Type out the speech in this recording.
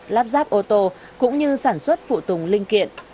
lắp ráp ô tô cũng như sản xuất phụ tùng linh kiện